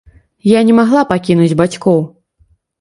Я не магла пакінуць бацькоў.